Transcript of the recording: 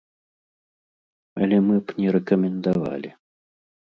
Але мы б не рэкамендавалі.